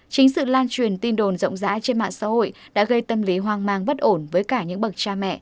chính sự lan truyền tin đồn rộng rãi trên mạng xã hội đã gây tâm lý hoang mang bất ổn với cả những bậc cha mẹ